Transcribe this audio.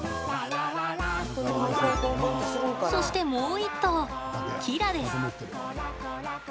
そしてもう一頭、キラです。